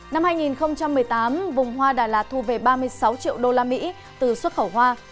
năm hai nghìn một mươi tám vùng hoa đà lạt thu về ba mươi sáu triệu usd từ xuất khẩu hoa